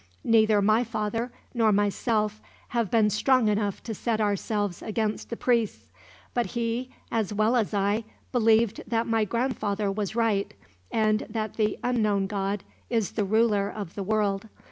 Neither my father nor myself have been strong enough to set ourselves against the priests; but he, as well as I, believed that my grandfather was right, and that the Unknown God is the ruler of the world.